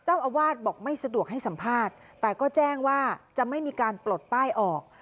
เจ้าอาวาสบอกไม่สะดวกให้สัมภาษณ์แต่ก็แจ้งว่าจะไม่มีการปลดป้ายออก